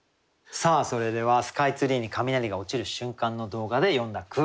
それではスカイツリーに雷が落ちる瞬間の動画で詠んだ句。